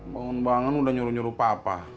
bangun bangun udah nyuruh nyuruh papa